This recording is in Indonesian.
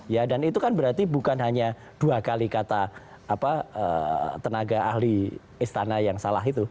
ya dan itu kan berarti bukan hanya dua kali kata tenaga ahli istana yang salah itu